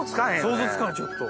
想像つかないちょっと。